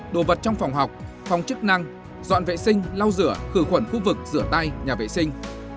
đồ vật trong phòng học phòng chức năng dọn vệ sinh lau rửa khử khuẩn khu vực rửa tay nhà vệ sinh